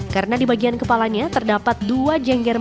karena di bagian kepalanya terdapat dua jengger mandi